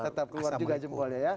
tetap keluar juga jempolnya ya